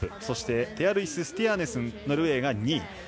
そしてテアルイス・スティヤーネスンノルウェーが２位。